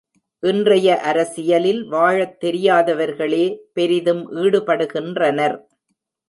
இன்றைய அரசியலில் வாழத் தெரியாதவர்களே பெரிதும் ஈடுபடுகின்றனர்.